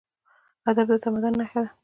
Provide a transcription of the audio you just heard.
ادب د تمدن نښه ده.